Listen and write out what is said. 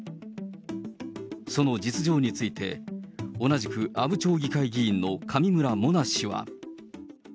その実情について、同じく阿武町議会議員の上村萌那氏は。